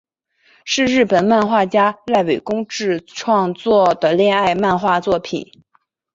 是日本漫画家濑尾公治创作的恋爱漫画作品。